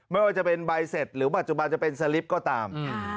ไม่ว่าจะเป็นใบเสร็จหรือปัจจุบันจะเป็นสลิปก็ตาม